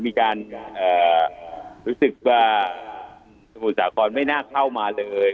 มีการรู้สึกว่าสมุทรสาครไม่น่าเข้ามาเลย